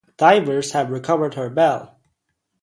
Divers have recovered her bell.